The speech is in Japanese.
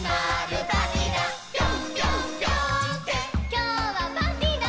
「きょうはパーティーだ！」